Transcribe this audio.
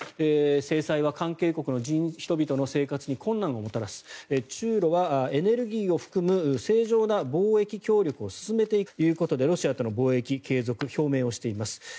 制裁は関係国の人々の生活に困難をもたらす中ロはエネルギーを含む正常な貿易協力を進めていくんだということでロシアとの貿易継続を表明しています。